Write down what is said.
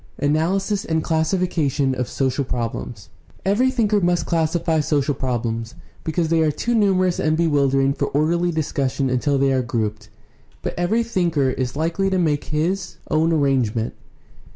IV. ANALYSIS AND CLASSIFICATION OF SOCIAL PROBLEMS Every thinker must classify social problems, because they are too numerous and bewildering for orderly discussion until they are grouped; but every thinker is likely to make his 704 GUIDE TO STUDY OF CHRISTIAN RELIGION own arrangement.